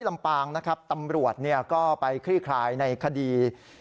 ลำปางนะครับตำรวจก็ไปคลี่คลายในคดี